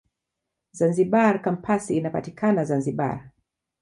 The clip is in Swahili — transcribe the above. Zanzibar Kampasi inapatikana Zanzibar.